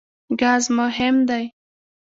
ګاز مهم دی.